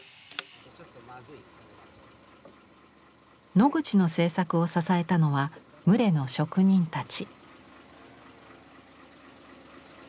ノグチの制作を支えたのは牟礼の職人たち。